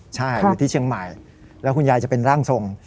ใช่อยู่ที่เชียงใหม่แล้วคุณยายจะเป็นร่างทรง